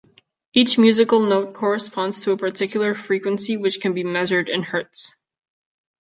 Each musical note corresponds to a particular frequency which can be measured in hertz.